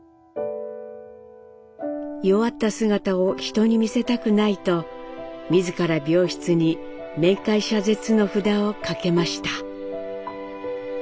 弱った姿を人に見せたくないと自ら病室に「面会謝絶」の札を掛けました。